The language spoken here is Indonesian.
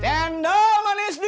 cendol manis dingin